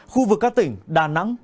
khu vực các tỉnh đà nẵng